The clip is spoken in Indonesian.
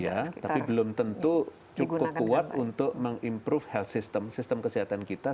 iya tapi belum tentu cukup kuat untuk mengimprove health sistem kesehatan kita